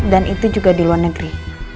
dan itu juga di luar negeri